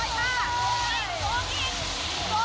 โกยค่ะ